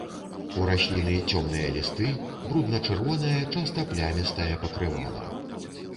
У расліны цёмныя лісты, брудна-чырвонае, часта плямістае пакрывала.